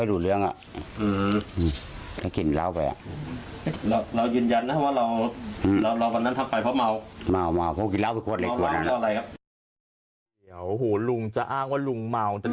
เรายืนยันนะว่าเราวันนั้นทำไปเพราะเมา